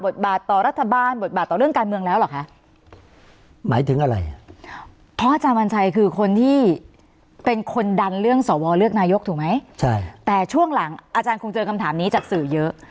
แต่ช่วงหลังอาจารย์คงเจอคำถามนี้จากสื่อเยอะ